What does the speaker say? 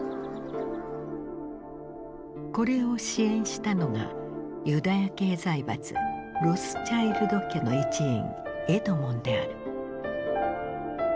これを支援したのがユダヤ系財閥ロスチャイルド家の一員エドモンである。